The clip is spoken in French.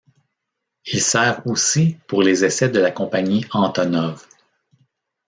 Il sert aussi pour les essais de la compagnie Antonov.